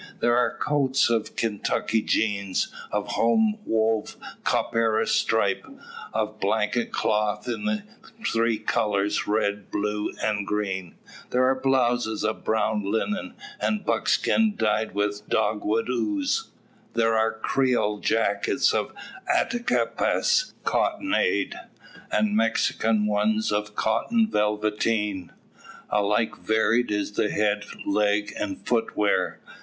There are coats of Kentucky jeans, of home wove copperas stripe, of blanket cloth in the three colours, red, blue, and green; there are blouses of brown linen, and buckskin dyed with dogwood ooze; there are Creole jackets of Attakapas "cottonade," and Mexican ones of cotton velveteen. Alike varied is the head, leg, and foot wear.